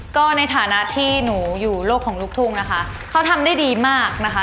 ก็ในฐานะที่หนูอยู่โลกของลูกทุ่งนะคะเขาทำได้ดีมากนะคะ